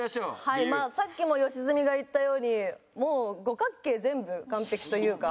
さっきも吉住が言ったようにもう五角形全部完璧というか。